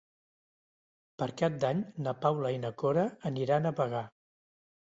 Per Cap d'Any na Paula i na Cora aniran a Bagà.